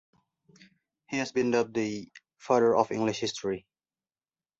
He has been dubbed the "Father of English History".